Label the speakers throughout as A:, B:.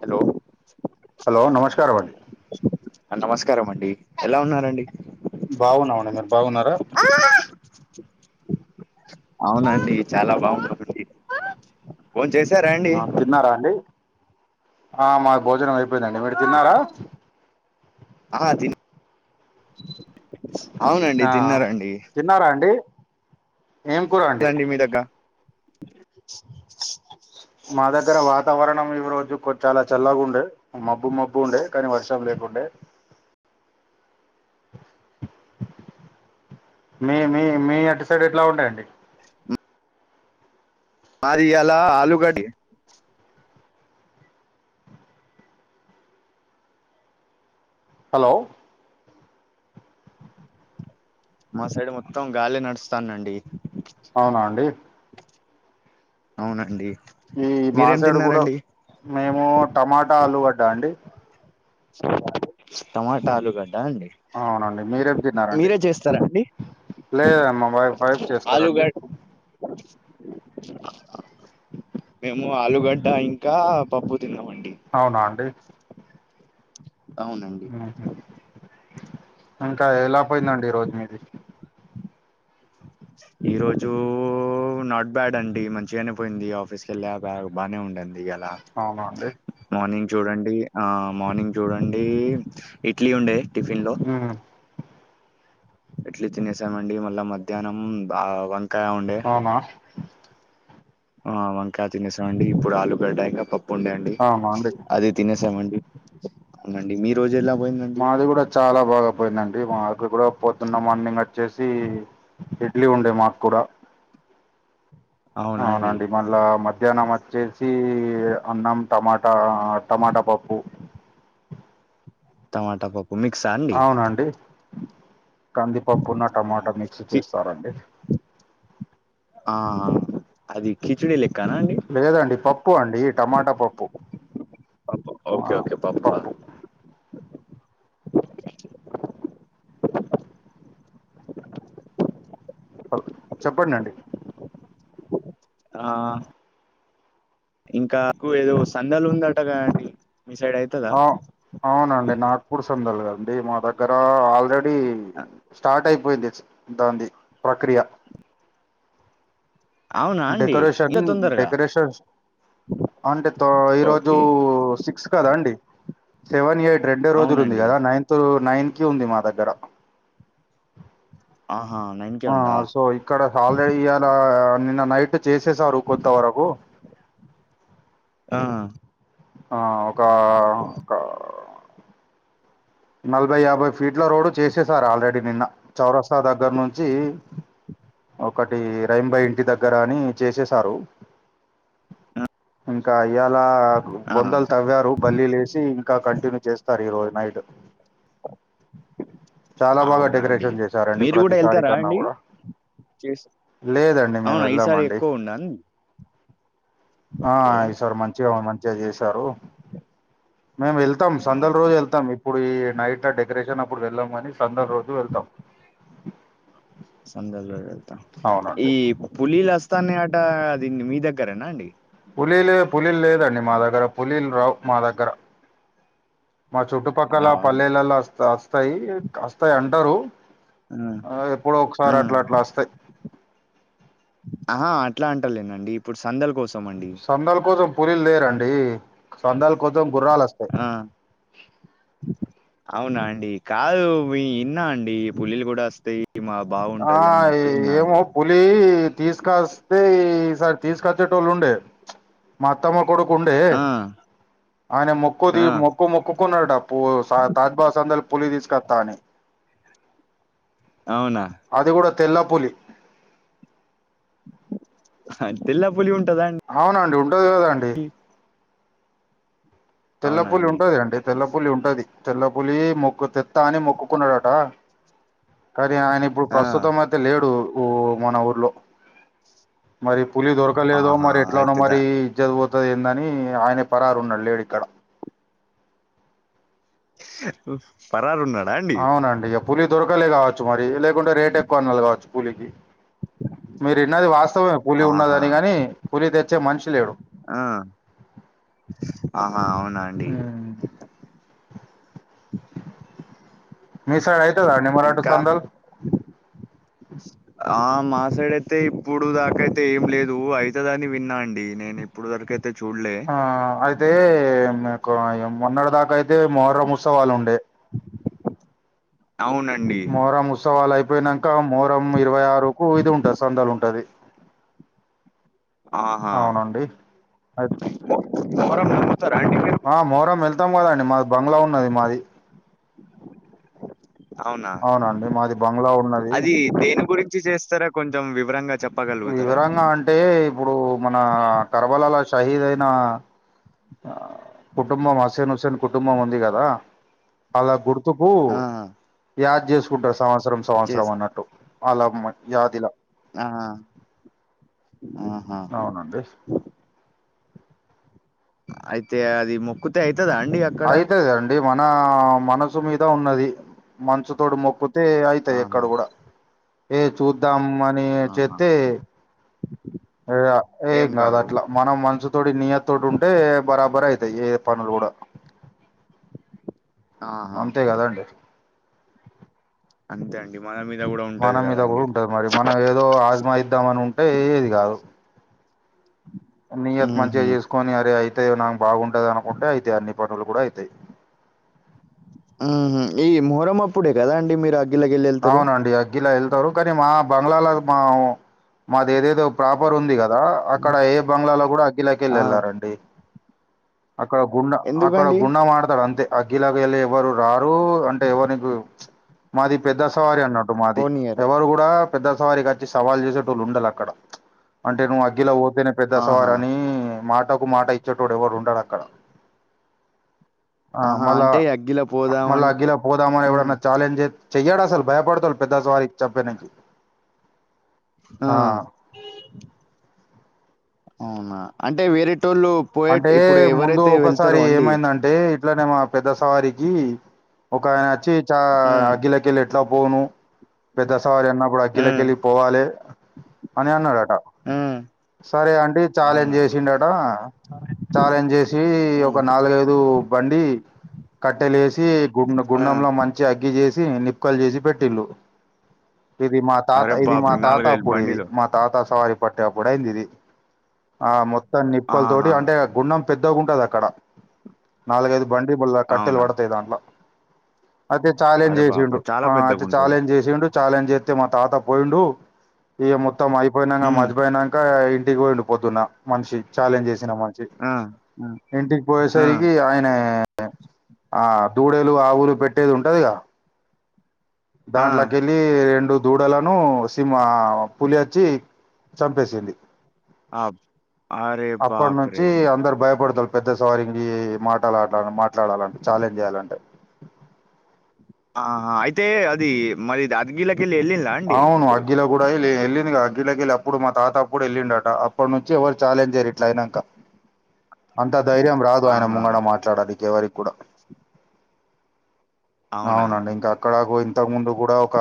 A: Hello
B: hello నమస్కారం అండి
A: నమస్కారం అండి ఎలా ఉన్నారండి
B: బాగున్నామండి మీరు బాగున్నారా
A: అవునండి చాలా బాగునమండి బోన్చేశారా అండి
B: తిన్నారా అండి ఆ మాకు భోజనం అయిపోయిందండి మీరు తిన్నారా
A: ఆ తి అవునండి
B: ఆ
A: తిన్నారండి
B: తిన్నారా అండి ఏం కూర అండి
A: మీదగ్గర
B: మా దగ్గర వాతావరణం ఈ రోజు కో చాలా చల్లగుంది మబ్బు మబ్బు ఉండే కనీ వర్షం లేకుండే మీ మీ మీ అటు సైడ్ ఎట్లా ఉండయండి
A: మాది ఇయాల ఆలూగడ్డ
B: హలో
A: మా సైడ్ మొత్తం గాలి నడుస్తందండి
B: అవున అండి
A: అవునండి
B: ఈ
A: మీరేం
B: మాసేడు కూడా
A: తిన్నారండి
B: మేము టమాటా ఆలుగడ్డా అండి
A: టమాటా ఆలుగడ్డ అండి
B: అవునండి మీరేం తిన్నారండి
A: మీరే చేస్తారా అండి
B: లేదండి మవైఫ్ చేస్తారండి
A: ఆలుగడ్ మేము ఆలుగడ్డ ఇంకా పప్పు తిన్నామండి
B: అవునా అండి
A: అవునండి
B: ఉహు ఇంకా ఎలా పోయిందండి ఈ రోజు మీది
A: ఈ రోజు నాట్ బ్యాడ్ అండి మంచిగానే పోయింది ఆఫీస్కి వెళ్ళ బ్యాగ బానే ఉందండి ఇయల
B: అవున అండి
A: మార్నింగ్ చూడండి ఆ మార్నింగ్ చూడండి ఇడ్లీ ఉండే టిఫిన్ లో
B: ఉమ్
A: ఇడ్లీ తినేసామండి మళ్ళా మధ్యాహ్నం వంకాయ ఉండే
B: అమ్మ
A: ఆ వంకాయ తినేసామండి ఇప్పుడు ఆలు గడ్డ ఇంకా పప్పు ఉండే అండి
B: అవునా అండి
A: అది తినేసామండి అవునండి మీ రోజు ఎలా పోయిందండి
B: మాది కూడా చాలా బాగా పోయిందండి మాకు కూడా పొద్దున్న మార్నింగ్ వచ్చేసి ఇడ్లీ ఉండే మా కూడా
A: అవునా అండి.
B: అవునండి మళ్ళా మధ్యాహ్నం వచ్చేసి అన్నం టమాటా ఆ టమాటా పప్పు
A: టమాటా పప్పు మిక్స్ అండి
B: హా అండి కందిపప్పు ను
A: ఆ!
B: టమాటా మిక్స్
A: కి
B: చేస్తారండి
A: ఆ అది కిచిడి లెక్క నండి
B: లేదండి పప్పు అండి టమాటా పప్పు
A: పప్పు
B: ఆ
A: ఓకే. ఓకే. పప్పా?
B: పప్పు హా చెప్పండండి
A: ఆ ఇంకా ఆకు ఏదో సందలు ఉందంటకదండీ మీ సైడ్ అ
B: అవ్ అవునండి నాగపూర్ సందలగా మా దగ్గర ఆల్ ఉ స్టార్ట్ అయిపోయిద్ది దాన్దీ ప్రక్రియ
A: అవునా అండి?
B: డెకరేషన్
A: ఇంత తొందరగా?
B: డెకరేషన్ ఆంటీ తో ఈరోజు
A: ఓకే.
B: సిక్స్ కదా అండి సెవెన్ ఎయిట్ రెండే రోజులు ఉంది
A: అవునండి.
B: కదా నైన్త్ నైన్ కి ఉంది మా దగ్గర
A: ఆహా లైన్
B: ఆ సో ఇక్కడ సౌదీ ఏరియాలా నిన్న నైట్ చేసేసారు కొంత వరకు
A: ఆ
B: ఆ ఒక క నలభై యాభై ఫీట్ల రోడ్ చేసేసారు ఆల్రెడీ నిన్న చౌరస్తా దగ్గర నుంచి ఒకటి రహీం బాయి ఇంటి దగ్గర అని చేసేసారు
A: ఆ
B: ఇంకా ఇయ్యాలా బొందలు తవ్వారు బల్లీలేసి ఇంకా కంటిన్యూ చేస్తారు ఈ రోజు నైట్ చాలా బాగా
A: అవునా అండి
B: డెకరేషన్ చేసారండి
A: మీరు కూడా
B: ప్రతిసారి
A: వెళ్తారా
B: కన్నా
A: అండి
B: కూడా
A: చేస్
B: లేదండి మేము
A: అవునా ఈసారి
B: వెళ్ళామండి
A: ఎక్కువ ఉందా అండి
B: ఆ
A: ఓకే
B: ఈసారి మంచిగా మంచిగా చేశారు మేము వెళ్తాం సందల
A: ఆహా,
B: రోజు వెళ్తాం ఇప్పుడు ఈ నైట్ల డెకరేషన్ అప్పుడు వెళ్ళాం కానీ సండే రోజు వెళ్తాం అవునండి
A: ఈ పులీలు అస్తనాయట అది మీ దగ్గరేనా అండి
B: పులీలే పులీలు లేదండి మా దగ్గర పులీలు రావు మా దగ్గర మా చుట్టుపక్కల
A: రావా అండి
B: పల్లెలల్ల అస్తయి అస్తయి అంటారు
A: ఆ
B: ఎప్పుడో
A: ఆ.
B: ఒకసారి అట్లా అట్లా అస్తయి
A: ఆహా అట్లా అంటాలేనండి ఇప్పుడు సందల కోసం అండి
B: సందల కోసం పురీలు లేేరండి సందాల కోసం గుర్రాలు వస్తాయి
A: ఆ అవునా అండి కాదు ఇన్నా అండి పులీలు కూడా వస్తాయి ఇ మా బాగుంటది అన్నట్టు ఇన్నా అండి
B: లి తీసుకస్తే ఈ సారి తీసుకొచ్చేటోళ్ళు ఉండే మా అత్తమ్మ కొడుకుండే
A: ఆ
B: ఆనే మొక్కూది
A: ఆ
B: మొ మొక్కు మొక్కుకున్నాడట పు తాజబాస్ అందల పులి తీసుకత్త అని
A: అవునా
B: అది కూడా తెల్లపులి
A: అ తెల్లాపులి ఉంటదా, అండి,
B: అవునండి. ఉంటుందికదండి.
A: అవునా
B: తెల్లపులి
A: అండి
B: ఉంటది కదాఅండి తెల్లపులి ఉంటుది తెల్ల పూలి మొక్కు తె అని మొక్కుకున్నాడట. కానీ ఆయన ఇప్పుడు
A: ఆ
B: ప్రస్తుతం అ అయితే లేడు ఊ మన ఊర్లో మరి పులి దొరక ఇక్క లేదో
A: ఆహా
B: మరి ఎట్లానో
A: అయితే దా
B: మరి ఇజ్జతు పోతది అనిమ్మమ్మమరి ఎట్లనో ఏందని ఆయన పరారు ఉన్నాడు లేడు ఇక్కడ
A: పరారు, ఉన్నాడా అండి.
B: పులిదొరకలే కావచ్చు. మరి లేకుంటే రేట్ ఎక్కువ అన్నారూ కావచ్చు. పులికి మీరున్నది వాస్తవే పులి
A: ఆహా
B: ఉన్నదని కాని పులి తెచ్చే మనిషి లేడు.
A: ఆ ఆహా అవునా అండి.
B: ఆ మీ సైడ్ అయితాద అండి. మరాఠ
A: ఇంకా
B: చందలు,
A: ఆ మాసైడ్ ఇతే ఇప్పుడు దాకైతే ఏం లేదు అయితే దాని విన్నా అండి. నేను ఇప్పుడు వరకైతే చూడలే.
B: ఆ అయితే మీకు మొన్నటి దాకా అయితే మొహ్రమ్ ఉత్సవాలు ఉండే
A: అవునండి.
B: మొహరం ఉత్సవాలు అయిపోయినాంక ఇకా మొహరం ఇరవై ఆరుకు ఇది ఉంటుది. సందాలు ఉంటది.
A: ఆహా
B: అవునండి అయి-
A: మొహర్రం వెళ్తారా అండి మీరు
B: ఆ మోహరం వెళ్తాం కద అండి. మాది బంగ్లా ఉన్నది. మాది
A: అవునా,
B: అవునండి మాది బంగ్లా ఉన్నది
A: అది దేని గురించి చేస్తారా కొంచెం వివరంగా చెప్ప
B: వివరంగా అంటే ఇప్పుడూ మనా కరబలలో షహీద్ అయినా కుటుంబం అస్సేన్ హుస్సేన్ కుటుంబం ఉంది. కదా అలా గుర్తుకూ
A: ఆ
B: యాద్ చేసుకుంటారు. సంవత్సరం, సంవత్సరం,
A: చేస్
B: అన్నట్టు. అలామన్ యాదిలా
A: ఆ ఆ
B: అవునండి.
A: అయితే అది మొక్కుతే అవుతదా అండి. అక్కడ
B: అవుతుదండి. మన మనసు మీద ఉన్నది. మనస్సు తోటి మొక్కుతే ఐతే ఇక్కడ
A: ఆహా
B: కూడా ఏ చూద్దాం అని
A: ఆహా
B: చెప్తే ఏయ ఏ
A: ఏం
B: కాదా
A: కాదు
B: అట్లా, మనం మనసు తోటి నిీయ తోటి ఉంటే బరాబర అవుతాయ. ఏ పనులు కూడా
A: ఆహా
B: అంతే కదండి.
A: అంతేఅండి, మన మీద కూడా ఉంటది
B: మన మీద కూడా
A: కదండి
B: ఉంటది. మరి మనం ఏదో ఆజమాయిద్దాం, అని ఉంటే ఏది కాదు, నీ అత మంచిగా
A: ఉహు
B: చేసుకొని అరే అయితే నాకు బాగుంటది. అనుకుంటే అయితాయి. అన్ని పనులు కూడా అవుతాయి.
A: ఉ ఈ ముహరం అప్పుడే కదా అండి మీరు అగ్గిలకెళ్ళి వెళ్తారు
B: అవునండి. ఇలా వెళ్తారు. కానీ మాబంగ్లాలో మా మాది ఏదేదో ప్రాపర్ ఉంది. కదా అక్కడ ఏ బంగ్లాలో కూడా అగ్గిలకి వెళ్ళి
A: ఆ
B: వెళ్ళారండి. అక్కడ గుండం అక్కడ
A: ఎందుకండి
B: ఆడతారు. అంతే అగ్గిలకెళ్లి ఎవరు రారు, అంటే ఎవరికు మాది పెద్ద సవారి అన్నాట్టు. మాది,
A: పోనీయరు
B: ఎవరు కూడా పెద్ద సవారికి వచ్చి సవాల్ చేసేట వాళ్ళు ఉండరు అక్కడ అంటే నువ్వు అగ్లో ఇదేనా పెద్ద సవారి
A: ఆహా
B: అని మాటకు మాట ఇచ్చేటోడు ఎవరు ఉండడు అక్కడ. ఆ
A: ఆహా
B: మల్ల
A: అంటే అగ్గిల
B: మళ్ళ
A: పోదామం
B: అగ్గిలో పోదామని
A: ఉమ్
B: ఎవడన్నా చాలెంజ్ చేత్ చెయ్యడు అసలు భయపడతాడు పెద్ద సవారికి చంపనికి
A: ఆ అవునా అంటే వేరేటోళ్ళు పోయే
B: అంటే
A: ఇప్పుడు
B: ముందు
A: ఎవరైతే వెళ్తారో
B: ఒకసారి
A: అండి
B: ఏమైందన్ టే ఇట్లనే మా పెద్ద సవారికి ఒక ఆయన వచ్చి చా
A: ఆ
B: అగిలేకెళ్ ఇట్ల పోను పెద్ద సవారి అన్నా కూడా
A: ఆ
B: అగ్గిలేకెళ్ళి పోవాలి అని అన్నాడట
A: ఆ
B: సరే అంటే చాలెంజ్
A: అవునా
B: చేసిండట ఛాలెంజ్ చేసి
A: ఆ
B: ఒక నాలుగైదు బండి కట్టెలేసి గుండ
A: ఆ
B: గుండంలో మంచి అగ్గి చేసి నిప్పుకలు చేసి పెట్టిళ్ళు. ఇది మాత్ తాత
A: అరే
B: ఇది మా
A: బాప్రే
B: తాత
A: నాలుగైదు
B: అప్పుడు ఇది.
A: బండిలు
B: మ తాత సవారి పట్టే అప్పుడు అయిందిది. ఆ మొత్తం నిప్పుకల్
A: ఆహా
B: అంటే గుండం పెద్దగుంటది అక్కడ నాలుగైదు బండి బల్ కట్టెలు
A: అవునా
B: పడతాయి దాంట్లో అదె చాలెంజ్
A: అరే బాపే
B: చేసిండు.
A: చాలా పెద్దగా
B: అదే
A: ఉంటది
B: చాలెజ్ చేసిండు ఛాలెంజ్ చేత్తె మా తాత పోయిండు ఇగ మొత్తం అయిపోయినంక
A: ఉమ్
B: మజ్జిపోయినా ఇంకా ఇంటికి పోయిండు పొద్దున్న మనిషి ఛాలెంజ్ చేసిన మని షి
A: ఆ
B: ఇంటికి
A: ఆ
B: పోయేసరికి ఆయన అ ఆ దూడేలు ఆవులు పెట్టేది ఉంటదిగా
A: ఆ
B: దాన్లగే ల్లి రెండు దూడలను సింహ పులి వచ్చి చంపేసింది.
A: ఆ అరే
B: అప్పటి నుంచి
A: బాప్రే!
B: అందరు భయపడుతారు. పెద్ద సవారికిి మాటలాటాల మాట్లాడాల అంటే ఛాలెంజ్ చేయాలంటే
A: ఆహా అయితే అది మరి అగ్గిలేకెళ్ళి ఎళ్లిందా
B: అవును అగ్గిల కూడా ఎల్లి ఎళ్ళింది కదా అగ్గిలో కెళ్ళి అప్పుడు మా తాత అప్పుడు ఎల్లిండట. అప్పట్నుంచి ఎవరు చాలెంజ్ చెయ్యరు ఇట్లయినంక అంత ధైర్యం రాదు ఆయన
A: ఆహా!
B: ముంగడ మాట్లాడనీకి ఎవరికి కూడ
A: అవునా?
B: అవునండి ఇంకా అక్కడకు ఇంతకు ముందు కూడ ఒక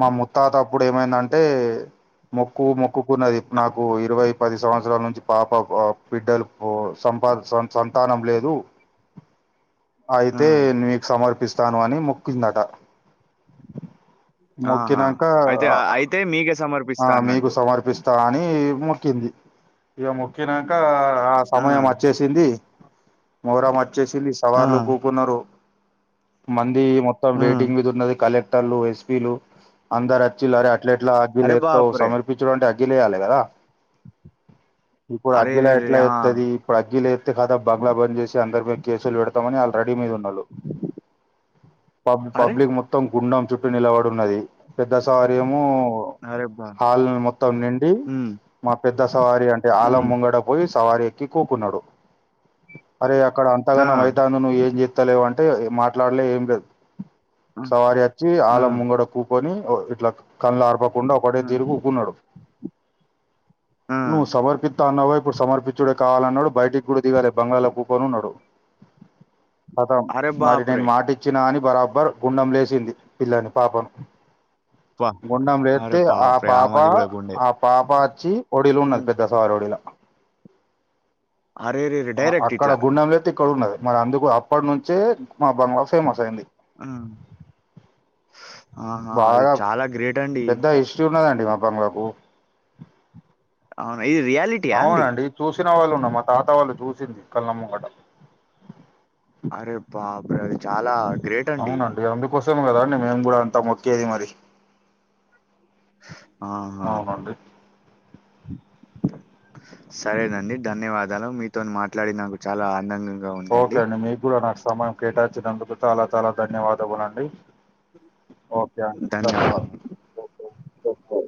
B: మా ముత్తాత అప్పుడు ఏమైందంటే మొక్కు మొక్కుకున్నది నాకు ఇరవై పది సంవత్సరాల నుంచి పాప బిడ్డలు ఓ సంపా సం సంతానం లేదు
A: ఆ!
B: అయితే నీకు సమర్పిస్తాను అని మొక్కిందట.
A: ఆహా!
B: మొక్కినాక,
A: అయితే అయితే మీకే
B: ఆ
A: సమర్పిస్తా
B: మీకు
A: అన్నట్టు.
B: సమర్పిస్ త అని మొక్కింది. ఇగ మొక్కినాక ఆ సమయం వచ్చేసి సింది మొహరం వచ్చేసింది
A: ఆ!
B: సవార్లు కూకున్నారు మంది మొత్తం
A: ఆ!
B: వెయిటింగ్ మీద ఉన్నది కలెక్టర్లు ఎస్పీలు అందరు వచ్చిల్లరే అట్ల ఎట్లా అగ్గి
A: అరే
B: లేప్తావ్
A: బాప్రే!
B: సమర్పించడం అంటే అగ్గి లేయాలి కదా ఇప్పుడు అగ్గిల
A: అరెరెరే!
B: ఎట్ల
A: ఆ!
B: ఏత్తది ఇప్పుడు అగ్గి లేపితే ఖతం బంగ్లా బంద్ చేసి అందరి మీద కేసులు పెడతామని ఆళ్ళు రెడీ మీదున్నాలు పబ్
A: అరే!
B: పబ్లిక్ మొత్తం గుండం చుట్టూ నిలబడున్నది పెద్ద సవారి ఏమో
A: అరేబ్బా
B: హల్ ని మొత్తం నిండి మా పెద్ద సవారి అంటే ఆల్ల
A: హ్మ్.
B: ముంగడ పోయి సవారి తికో కున్నడు అరే అక్కడ
A: ఆ!
B: అంతగనం అయిత ను నువ్ ఏం చేత్తలేవంటే ఏంమాట్లాడలే ఏం లేద్
A: ఆ!
B: సవారిఅచ్చి
A: ఆ!
B: ఆలముంగడ కూకొని ఓ ఇట్లా కళ్ళు ఆర్పకుండా ఒకటె
A: ఆ!
B: తిరు కుకున్నాడు
A: ఆ!
B: నువ్వు సమర్పిత్ త్త అన్నావ్ గాఇప్పుడు సమర్పిచుడే కావాలన్నాడు బయటిక్ గూడా దిగలే బంగాళా కుకొన్ ఉన్నడు ఖతం
A: అరే
B: మరి నేన్
A: బాప్రే!
B: మాటిచ్చిన అని బరాబర్ గుండం లేసింది పిల్లని పాపం
A: అబ్బా! అరే
B: గుండంలేత్తే ఆ
A: బాప్రే!
B: పాప
A: ఆమెది గూడా గుండె.
B: ఆ పాప అచ్చి ఒడిలున్నద్
A: హ్మ్.
B: పెద్ద తా రొడిలా
A: అరెరెరే!
B: అ
A: డైరెక్ట్
B: అక్కడ
A: ఇట్లా.
B: గుండెం లేతే ఇక్కడున్నది మర్ అందుకు అప్పటి నుంచే మా బంగ్లా ఫేమస్ అయింది
A: మ్ ఆహా అది చాలా గ్రేట్ అండి
B: చున్నదండి మా బంగ్ల కు
A: అవున ఇది రియాలి
B: అవునండి చూసిన వాళ్ళు ఉన్న మా తాత వాళ్ళు చూసింది కండ్ల ముంగట
A: అరే బాప్రే అది చాలా గ్రేట్ అండి
B: అవునండి అందుకోసం కదాండి మేము కూడా అంతా మొక్కేది మరి
A: ఆహ
B: అవునండి
A: సరేనండి ధన్యవాదాలు మీతోన్ మాట్లాడి నాకు చాలా ఆందంగు
B: ఓకే అండి మీగ్గూడా నాక్ సమయం కేటాయించినందుకు చాలా చాలా ధన్యవాదములండి ఓకే అండ్ ధన్యవాదు
A: ధన్యవాదాలు ఓకే